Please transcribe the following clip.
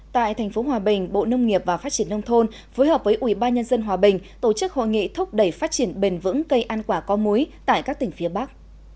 tại tp hòa bình bộ nông nghiệp và phát triển nông thôn phối hợp với ubnd hòa bình tổ chức hội nghị thúc đẩy phát triển bền vững cây ăn quả có muối tại các tỉnh phía bắc